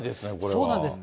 そうなんです。